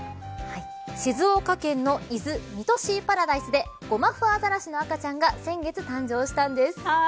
静岡県の伊豆・三津シーパラダイスでゴマフアザラシの赤ちゃんが先月誕生したんです。